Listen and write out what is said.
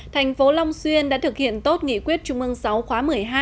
thành phố long xuyên đã thực hiện tốt nghị quyết trung ương sáu khóa một mươi hai